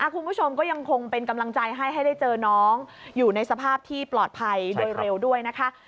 คุณผู้ชมก็ยังคงเป็นกำลังใจให้ให้ได้เจอน้องอยู่ในสภาพที่ปลอดภัยโดยเร็วด้วยนะคะ